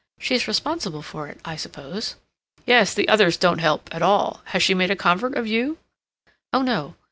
She's responsible for it, I suppose?" "Yes. The others don't help at all.... Has she made a convert of you?" "Oh no.